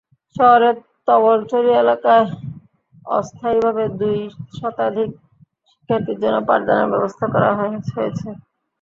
শহরের তবলছড়ি এলাকায় অস্থায়ীভাবে দুই শতাধিক শিক্ষার্থীর জন্য পাঠদানের ব্যবস্থা করা হয়েছে।